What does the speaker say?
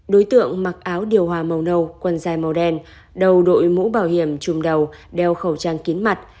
đối tượng mặc áo điều hòa màu nâu quần da màu đen đầu đội mũ bảo hiểm trùm đầu đeo khẩu trang kín mặt